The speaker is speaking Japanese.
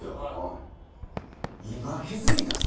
今気付いたぞ。